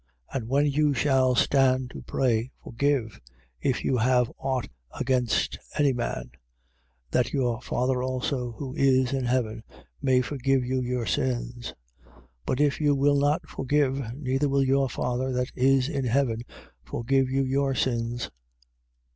11:25. And when you shall stand to pray, forgive, if you have aught against any man: that your Father also, who is in heaven, may forgive you your sins. 11:26. But if you will not forgive, neither will your father that is in heaven forgive you your sins.